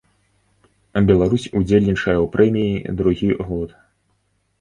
Беларусь удзельнічае ў прэміі другі год.